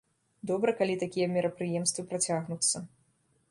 Добра, калі такія мерапрыемствы працягнуцца.